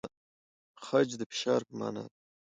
خج د فشار په مانا دی؟